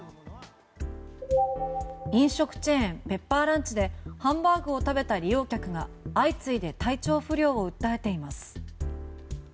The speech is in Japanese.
飲食チェーンペッパーランチでハンバーグを食べた利用客が相次いで体調不良を訴えています。